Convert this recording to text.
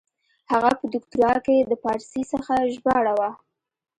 هغه په دوکتورا کښي د پاړسي څخه ژباړه وه.